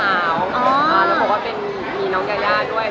แล้วก็พี่กี้เป็นมีน้องยาย่าด้วย